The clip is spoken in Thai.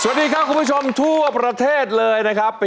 สวัสดีครับคุณผู้ชมทั่วประเทศเลยนะครับ